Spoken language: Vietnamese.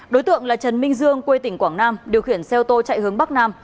đối tượng là trần minh dương quê tỉnh quảng nam điều khiển xe ô tô chạy hướng bắc nam